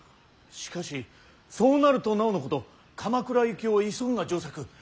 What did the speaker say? しかしそうなるとなおのこと鎌倉行きを急ぐが上策。